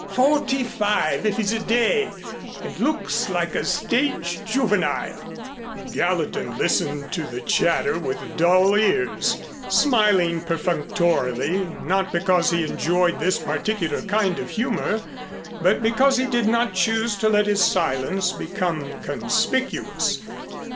Forty five, if he's a day, and looks like a stage juvenile." Gallatin listened to the chatter with dull ears, smiling perfunctorily, not because he enjoyed this particular kind of humor, but because he did not choose to let his silence become conspicuous.